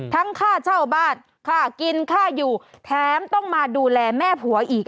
ค่าเช่าบ้านค่ากินค่าอยู่แถมต้องมาดูแลแม่ผัวอีก